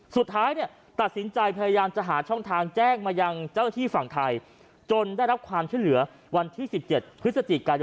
สุดท้ายตัดสินใจพยายามจะหาช่องทางแจ้งมายังเจ้าที่ฝั่งฮาลัย